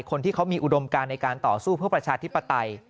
คนที่เขามีอุดมการในการต่อสู้เพื่อประชาธิปไตย